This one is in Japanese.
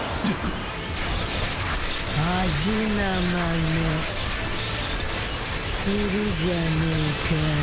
味なまねするじゃねえか。